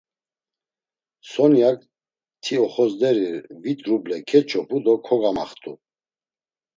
Sonyak, ti oxozderi vit ruble keç̌op̌u do kogamaxt̆u.